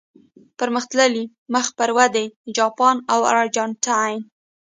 پرمختللي، مخ پر ودې، جاپان او ارجنټاین.